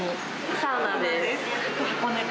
サウナです。